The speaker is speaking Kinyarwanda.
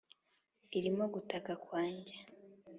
irimo gutaka kwanjye.